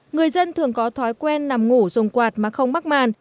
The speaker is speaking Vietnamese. người dân thường có thói quen nằm ngủ dùng quạt mà không mắc màn